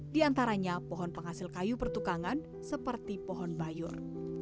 di antaranya pohon penghasil kayu pertukangan seperti pohon bayur